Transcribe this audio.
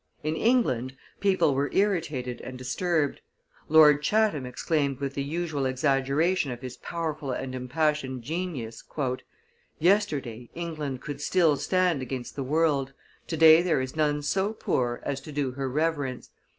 In England, people were irritated and disturbed; Lord Chatham exclaimed with the usual exaggeration of his powerful and impassioned genius "Yesterday England could still stand against the world, today there is none so poor as to do her reverence.